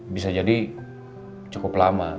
bisa jadi cukup lama